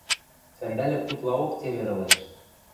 Сӓндӓлӹк утлаок цевер ылеш.